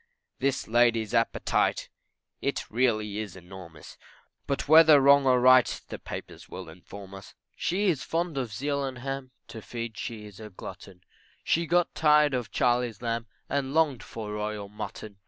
This lady's appetite It really is enormous, But whether wrong or right, The papers will inform us; She is fond of veal and ham, To feed she is a glutton, She got tired of Charley's lamb, And longed for royal mutton.